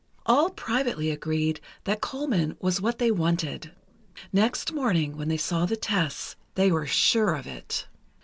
All privately agreed that Colman was what they wanted; next morning, when they saw the tests, they were sure of it.